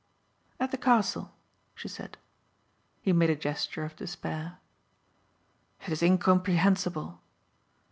"At the castle," she said. He made a gesture of despair. "It is incomprehensible."